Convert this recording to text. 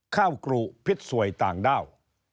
ข้าวกรุพิษสวยต่างด้าว